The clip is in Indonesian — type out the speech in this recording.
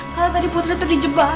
karena tadi putri itu di jebak